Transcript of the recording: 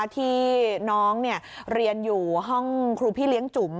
ที่น้องเรียนอยู่ห้องครูพี่เลี้ยงจุ๋ม